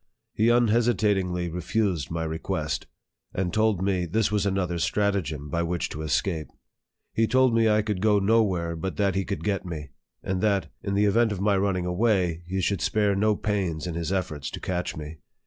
He unhesitatingly refused my request, and told me this was another stratagem by which to escape. He told me I could go nowhere but that he could get me ; and that, in the event of my running away, he should spare no pains in his efforts to catch me.